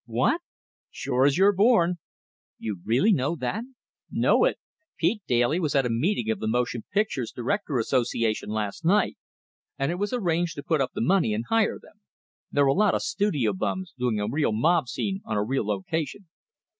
"What?" "Sure as you're born!" "You really know that?" "Know it? Pete Dailey was at a meeting of the Motion Picture Directors' Association last night, and it was arranged to put up the money and hire them. They're a lot of studio bums, doing a real mob scene on a real location!"